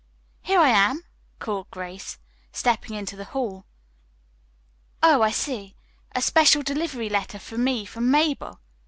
"Here I am," called Grace, stepping into the hall. "Oh, I see. A special delivery letter for me from Mabel."